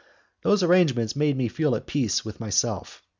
Those arrangements made me feel at peace with myself.